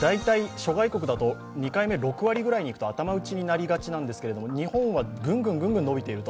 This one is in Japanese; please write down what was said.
諸外国だと２回目は６割ぐらいにいくと頭打ちになりがちなんですけど日本はぐんぐん伸びていると。